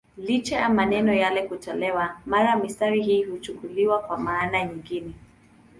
Licha ya maneno yale kutolewa, mara mistari hii huchukuliwa kwa maana nyingine.